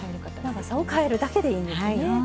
長さをかえるだけでいいんですね。